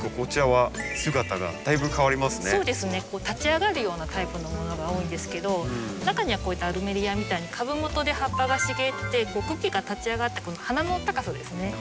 立ち上がるようなタイプのものが多いんですけど中にはこういったアルメリアみたいに株元で葉っぱが茂って茎が立ち上がってこの花の高さですね。